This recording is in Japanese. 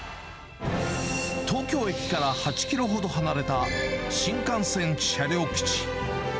東京駅から８キロほど離れた新幹線車両基地。